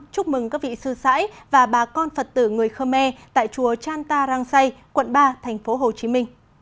chúc mừng các vị sư sãi và bà con phật tử người khơ me tại chùa chan ta rang say quận ba tp hcm